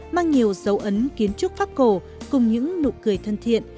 mang nhiều dấu ấn kiến trúc pháp cổ cùng những nụ cười thân thiện